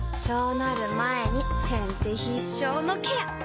そうなる前に先手必勝のケア！